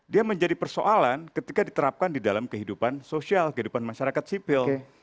dia menjadi persoalan ketika diterapkan di dalam kehidupan sosial kehidupan masyarakat sipil